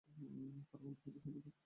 তাঁর কণ্ঠ ছিল শুমধুর।